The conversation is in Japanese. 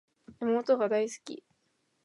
妹が大好き